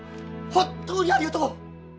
本当にありがとう！